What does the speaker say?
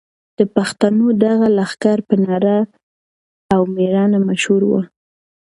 د پښتنو دغه لښکر په نره او مېړانه مشهور و.